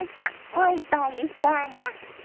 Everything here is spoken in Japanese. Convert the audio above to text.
もう一杯いかが？